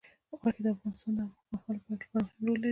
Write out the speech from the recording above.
غوښې د افغانستان د اوږدمهاله پایښت لپاره مهم رول لري.